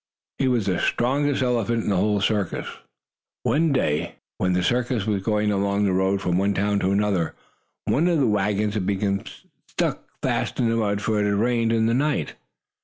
He was the strongest elephant in the whole circus. One day, when the circus was going along the road from one town to another, one of the wagons became stuck fast in the mud, for it had rained in the night.